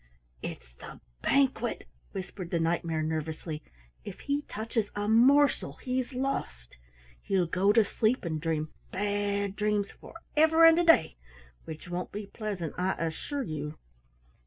"It's the Banquet!" whispered the Knight mare nervously. "If he touches a morsel, he's lost. He'll go to sleep and dream Bad Dreams forever and a day which won't be pleasant, I assure you."